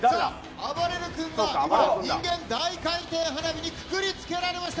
あばれる君が今、人間大回転花火にくくりつけられました。